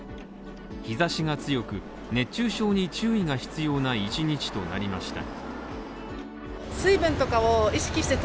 日ざしが強く、熱中症に注意が必要な一日となりました。